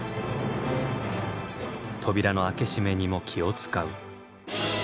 扉の開け閉めにも気を遣う。